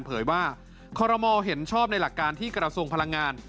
เผยว่าคอรมอลเห็นชอบในหลักการที่กระทรวงพลังงาน